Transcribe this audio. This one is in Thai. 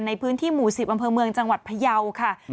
ในพื้นที่หมู่๑๐อำเภอเมืองจังหวัดพยาวค่ะ